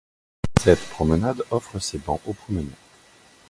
Cette promenade offre ses bancs aux promeneurs.